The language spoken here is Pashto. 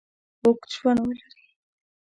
اوږد ژوند ولري.